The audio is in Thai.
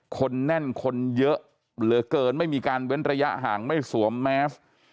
คนแน่นคนเยอะเหลือเกินไม่มีการเว้นระยะห่างไม่สวมแมส